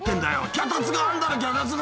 脚立があんだろ脚立が」